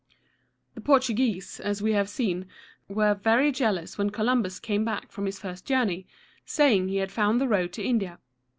The Portuguese, as we have seen, were very jealous when Columbus came back from his first journey, saying he had found the road to India.